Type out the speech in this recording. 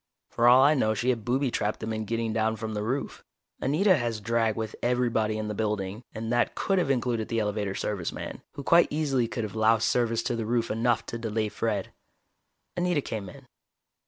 For all I know she had booby trapped them in getting down from the roof. Anita has drag with everybody in the building, and that could have included the elevator service man, who quite easily could have loused service to the roof enough to delay Fred. Anita came in.